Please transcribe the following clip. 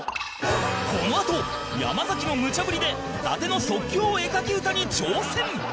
このあと山崎のむちゃ振りで伊達の即興絵描き歌に挑戦！